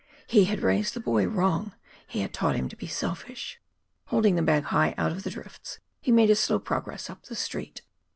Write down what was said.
He had raised the boy wrong he had taught him to be selfish. Holding the bag high out of the drifts, he made his slow progress up the Street.